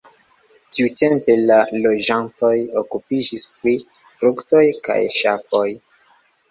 Tiutempe la loĝantoj okupiĝis pri fruktoj kaj ŝafoj.